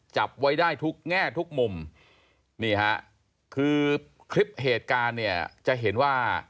จับไว้ได้แง่ทุกมุมนี่ค่ะคือคลิปเหตุการณ์จะเห็นว่า